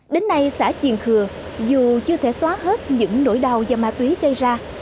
đến nay xã triềng khừa dù chưa thể xóa hết những nỗi đau do ma túy gây ra